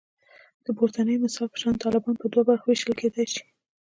د پورتني مثال په شان طالبان په دوو برخو ویشل کېدای شي